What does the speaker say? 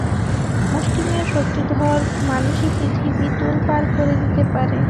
মুষ্টিমেয় শক্তিধর মানুষই পৃথিবী তোলপাড় করে দিতে পারে।